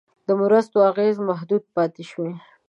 د مرستو اغېز محدود پاتې شوی.